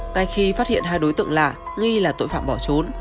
ngay khi phát hiện hai đối tượng là nghi là tội phạm bỏ trốn